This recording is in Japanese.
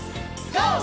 ＧＯ！